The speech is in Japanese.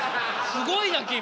すごいな君。